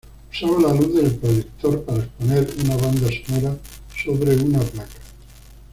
Usaba la luz del proyector para exponer una banda sonora sobre una placa.